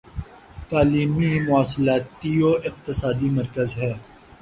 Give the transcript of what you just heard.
تعلیمی مواصلاتی و اقتصادی مرکز ہے